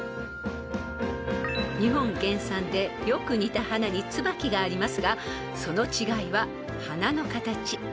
［日本原産でよく似た花にツバキがありますがその違いは花の形］